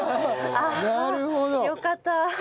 ああよかった。